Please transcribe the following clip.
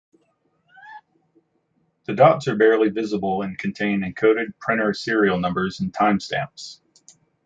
The dots are barely visible and contain encoded printer serial numbers and timestamps.